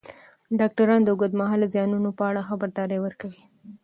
ډاکټران د اوږدمهاله زیانونو په اړه خبرداری ورکوي.